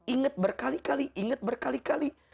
ingat berkali kali ingat berkali kali